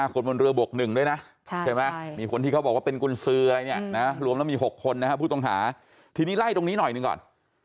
คนบนเรือบวก๑ด้วยนะใช่ไหมมีคนที่เขาบอกว่าเป็นกุญสืออะไรเนี่ยนะรวมแล้วมี๖คนนะครับผู้ต้องหาทีนี้ไล่ตรงนี้หน่อยหนึ่งก่อน